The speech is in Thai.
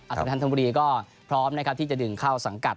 อัศวินธรรมดีก็พร้อมนะครับที่จะดึงเข้าสังกัด